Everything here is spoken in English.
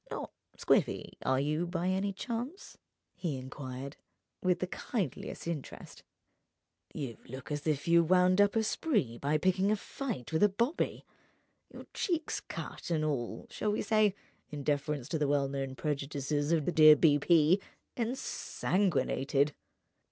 "Not squiffy, are you, by any chance?" he enquired with the kindliest interest. "You look as if you'd wound up a spree by picking a fight with a bobby. Your cheek's cut and all (shall we say, in deference to the well known prejudices of the dear B.P.?) ensanguined.